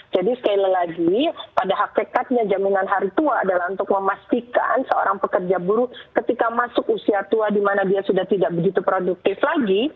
jadi sekali lagi pada hakikatnya jaminan hari tua adalah untuk memastikan seorang pekerja buruh ketika masuk usia tua dimana dia sudah tidak begitu produktif lagi